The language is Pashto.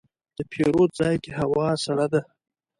د پیرود ځای کې هوا سړه ده.